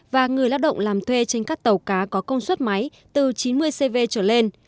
và người lao động làm thuê trên các tàu cá có công suất máy từ chín mươi cv trở lên